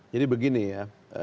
jadi begini ya